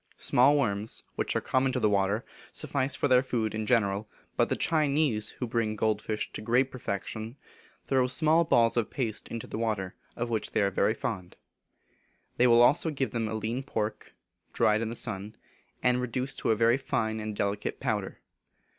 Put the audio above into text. Small worms, which are common to the water, suffice for their food in general, but the Chinese, who bring gold fish to great perfection, throw small balls of paste into the water, of which they are very fond. They give them also lean pork, dried in the sun, and reduced to a very fine and delicate powder.